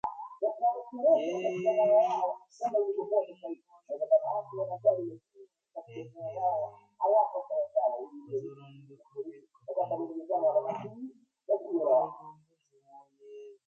The band went through several lineups during Williams' career.